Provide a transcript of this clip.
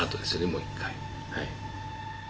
もう一回。